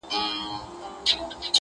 • چي له تا مخ واړوي تا وویني_